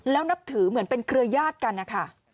แล้วนับถือเหมือนเป็นเครือญาติกันนะคะ